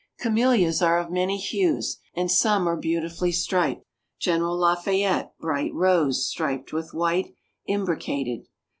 Camellias are of many hues, and some are beautifully striped. Gen. Lafayette, bright rose, striped with white, imbricated.